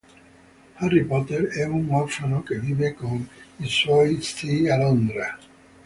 Harry Potter è un orfano che vive con i suoi zii a Londra.